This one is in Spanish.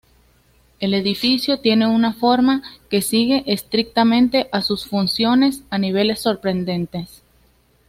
El edificio tiene una forma que sigue estrictamente a sus funciones a niveles sorprendentes.